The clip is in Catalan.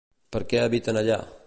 Per què habiten allà?